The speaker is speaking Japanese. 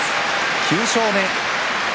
９勝目。